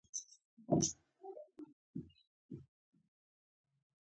حنجره له کومي څخه وروسته موقعیت لري.